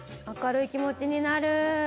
明るい気持ちになる。